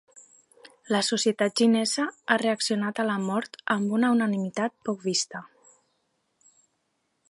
La societat xinesa ha reaccionat a la mort amb una unanimitat poc vista.